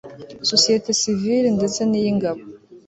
sosiyete sivili ndetse niy'ingabo